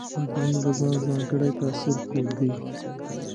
عطرونه د ځان ځانګړی تاثر پرېږدي.